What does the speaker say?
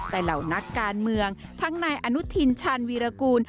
แต่เหล่านักการเมืองทั้งนายอนุทินชาญวีรกูล